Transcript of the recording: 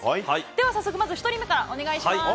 では早速まず１人目からお願いします。